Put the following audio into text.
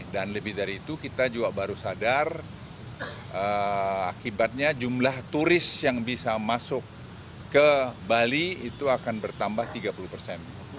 dan lebih dari itu kita juga baru sadar akibatnya jumlah turis yang bisa masuk ke bali itu akan bertambah tiga puluh persen